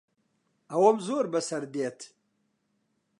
ئەوەم زۆر بەسەر دێت.